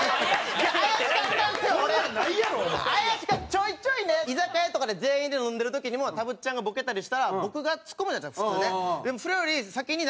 ちょいちょいね居酒屋とかで全員で飲んでる時にもたぶっちゃんがボケたりしたら僕がツッコむじゃないですか普通ね。